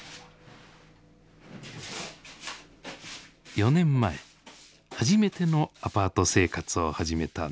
４年前初めてのアパート生活を始めたなべさんです。